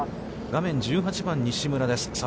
画面、１８番、西村です。